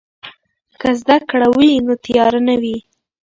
که زده کړه وي نو تیاره نه وي.